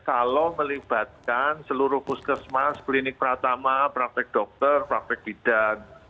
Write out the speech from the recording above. kalau melibatkan seluruh puskesmas klinik pratama praktek dokter praktek bidan